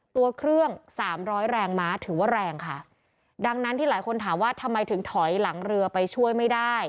ตัวเครื่องสามร้อยแรงม้าถือว่าแรงค่ะดังนั้นที่หลายคนถามว่าทำไมถึงถอยหลังเรือไปช่วยไม่ได้